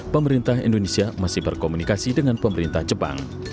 pemerintah indonesia masih berkomunikasi dengan pemerintah jepang